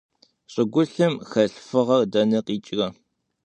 ЩӀыгулъым хэлъ фыгъэр дэнэ къикӀрэ?